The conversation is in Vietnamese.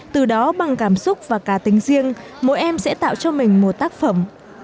từ đó bằng cảm xúc và cá tính riêng mỗi em sẽ tạo cho mình một tác phẩm